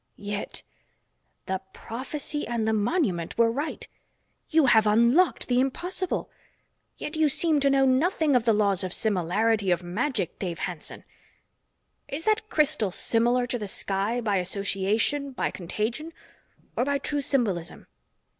"Yet ... the prophecy and the monument were right! You have unlocked the impossible! Yet you seem to know nothing of the laws of similarity or of magic, Dave Hanson. Is that crystal similar to the sky, by association, by contagion, or by true symbolism?